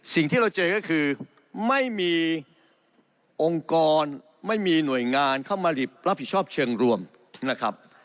สิ่งที่เราเจอก็คือไม่มีองค์กรไม่มีหน่วยงานเข้ามารับผิดชอบเชิงรวมนะครับ